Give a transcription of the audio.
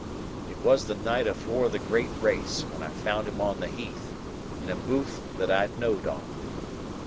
It was the night afore the great race, when I found him on the heath, in a booth that I know'd on.